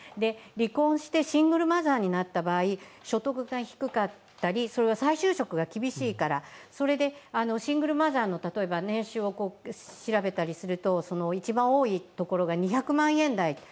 離婚してシングルマザーになった場合、所得が低かったりそれは再就職が厳しいからシングルマザーの例えば年収を調べたりすると一番多いところが２００万円台。